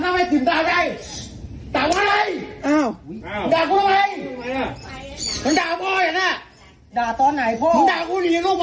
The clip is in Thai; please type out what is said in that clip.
ไหนไม่ก็มึงควรมาเคยกุญแจให้อ่านไว้เอาให้ไปได้ไงวะ